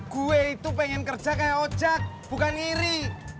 gue itu pengen kerja kayak oja bukan iri